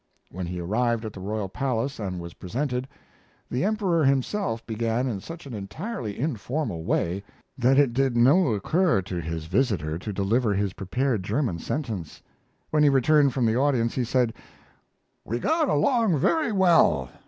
When he arrived at the royal palace and was presented, the Emperor himself began in such an entirely informal way that it did no occur to his visitor to deliver his prepared German sentence. When he returned from the audience he said: "We got along very well.